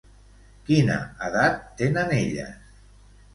Quina edat tenen elles?